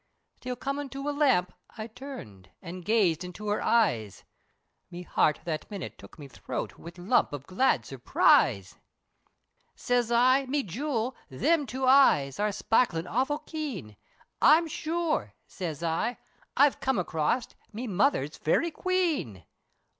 Till comin' to a lamp, I turned, An' gazed into her eyes, Me heart that minute took me throat Wid lump of glad surprise, Siz I, "Me jewel, thim two eyes, Are sparklin' awful keen, "I'm sure," siz I, "I've come across, Me mother's Fairy Queen!"